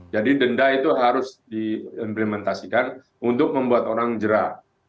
jadi denda itu harus diimplementasikan untuk membuat orang jerah